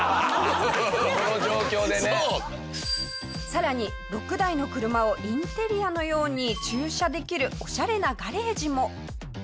さらに６台の車をインテリアのように駐車できるオシャレなガレージも。